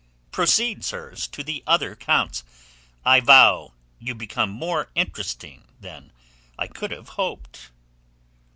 Proceed, sirs, to the other counts. I vow you become more interesting than I could have hoped."